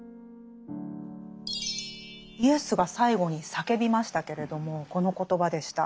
イエスが最後に叫びましたけれどもこの言葉でした。